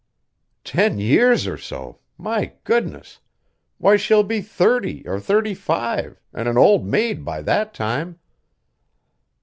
"Ten years or so! My goodness! Why, she'll be thirty or thirty five, an' an old maid by that time."